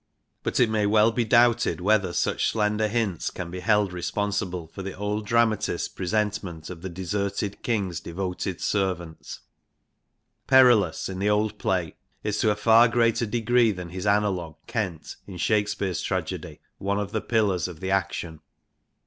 But it may well be doubted whether such slender hints can be held responsible for the old dramatist's presentment of the deserted King's devoted servant. Perillus in the old play is to a far greater degree than his analogue, Kent, in Shakespeare's tragedy, one of the pillars of the action.